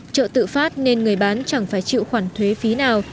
trợ tự phát nên người bán chẳng phải chịu khoản thuế phí nào